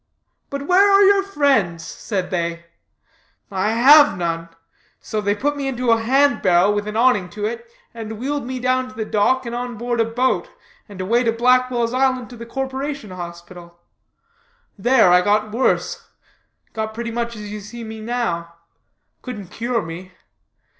'But where are your friends?' said they. 'I have none.' So they put me into a hand barrow with an awning to it, and wheeled me down to the dock and on board a boat, and away to Blackwell's Island to the Corporation Hospital. There I got worse got pretty much as you see me now. Couldn't cure me.